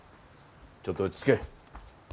ちょっと落ち着け。